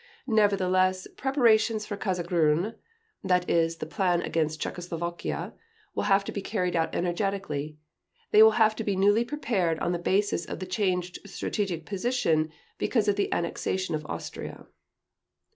Nevertheless, preparations for Case Grün (that is, the plan against Czechoslovakia) will have to be carried out energetically; they will have to be newly prepared on the basis of the changed strategic position because of the annexation of Austria."